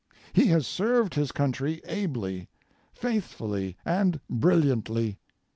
He has served his country ably, faithfully, and brilliantly.